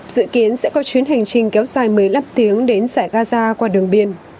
dự kiến sẽ có chuyến hành trình kéo dài một mươi năm tiếng đến giải gaza qua đường biển